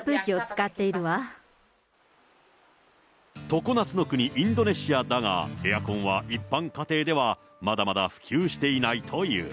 常夏の国、インドネシアだが、エアコンは一般家庭ではまだまだ普及していないという。